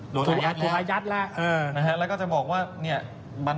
หลวนอายัดแล้วหลวนอายัดแล้วแล้วก็จะบอกว่า